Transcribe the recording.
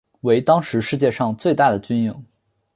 为当时世界上最大的军营。